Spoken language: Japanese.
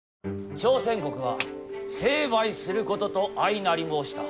朝鮮国は成敗することと相なり申した。